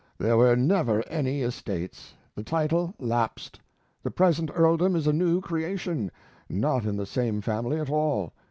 There were never any estates; the title lapsed; the present earldom is a new creation, not in the same family at all.